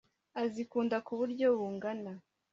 azikunda ku buryo bungana